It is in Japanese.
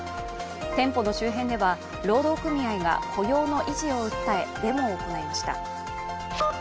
店舗の周辺では労働組合が雇用の維持を訴えデモを行いました。